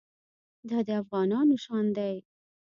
دا د افغانانو شان دی.